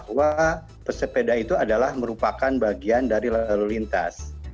bahwa pesepeda itu adalah merupakan bagian dari lalu lintas